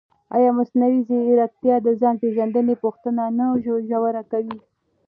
ایا مصنوعي ځیرکتیا د ځان پېژندنې پوښتنه نه ژوره کوي؟